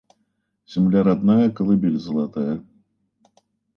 Земля родная - колыбель золотая.